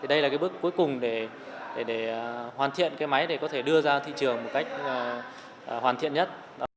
đây là bước cuối cùng để hoàn thiện máy để có thể đưa ra thị trường một cách hoàn thiện nhất